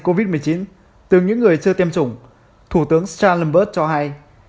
covid một mươi chín từ những người chưa tiêm chủng thủ tướng shalinberg cho hay